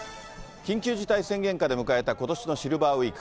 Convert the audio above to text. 緊急事態宣言下で迎えたことしのシルバーウィーク。